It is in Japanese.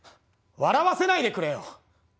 笑わせないでくれよ！